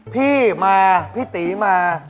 พี่มาพี่ตีมา